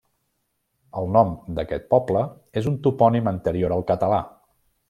El nom d'aquest poble és un topònim anterior al català.